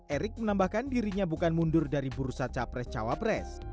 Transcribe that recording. erick menambahkan dirinya bukan mundur dari bursa capres cawapres